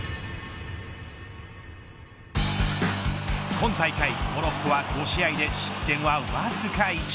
今大会モロッコは５試合で失点はわずか１。